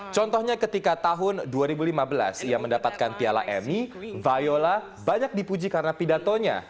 contohnya ketika tahun dua ribu lima belas ia mendapatkan piala emmy viola banyak dipuji karena pidatonya